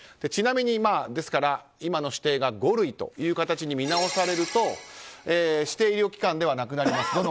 ちなみに、今の指定が五類という形に見直されると指定医療機関ではなくなります。